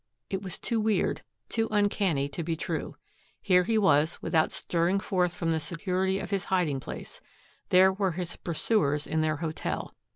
It was too weird, too uncanny to be true. Here he was, without stirring forth from the security of his hiding place; there were his pursuers in their hotel.